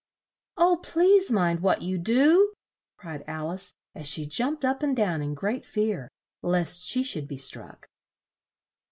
"Oh, please mind what you do!" cried Al ice, as she jumped up and down in great fear, lest she should be struck.